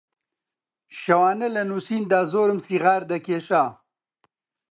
شەوانە لە نووسیندا زۆرم سیغار دەکێشا